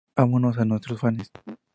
Amamos a nuestros fanes".